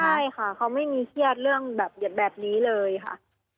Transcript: ใช่ค่ะเขาไม่มีเครียดเรื่องแบบแบบนี้เลยค่ะ